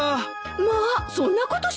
まあそんなことしてたの？